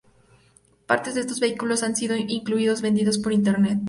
Partes de estos vehículos han sido incluso vendidas por Internet.